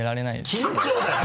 緊張だよ！